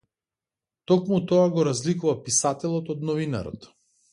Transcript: Токму тоа го разликува писателот од новинарот.